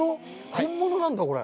本物なんだ、これ。